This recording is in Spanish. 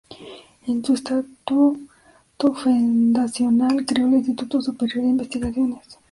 En su estatuto fundacional creó el Instituto Superior de Investigaciones.